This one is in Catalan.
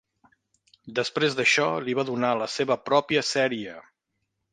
Després d'això li va donar la seva pròpia sèrie.